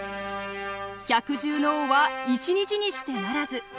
百獣の王は一日にしてならず。